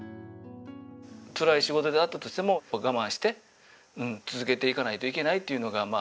つらい仕事であったとしても我慢して続けていかないといけないというのがまあ。